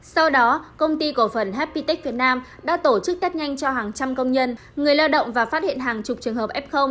sau đó công ty của phần happy tech việt nam đã tổ chức tắt nhanh cho hàng trăm công nhân người lao động và phát hiện hàng chục trường hợp f